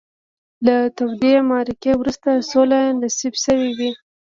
له تودې معرکې وروسته سوله نصیب شوې وي.